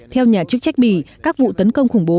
theo nhà chức trách bỉ các vụ tấn công khủng bố